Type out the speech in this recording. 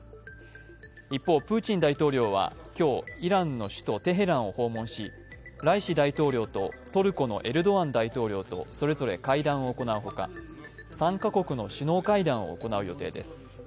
一方、プーチン大統領は今日イランの首都テヘランを訪問し、ライシ大統領とトルコのエルドアン大統領とそれぞれ会談を行うほか３カ国の首脳会談を行う予定です。